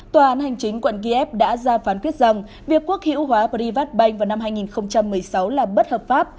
tòa án hành chính quận kiev đã ra phán quyết rằng việc quốc hữu hóa privatbank vào năm hai nghìn một mươi sáu là bất hợp pháp